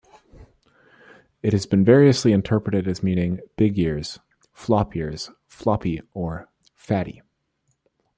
It has been variously interpreted as meaning "big ears", "flop ears", "floppy", or "fatty".